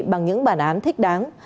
bằng những bản án thích đáng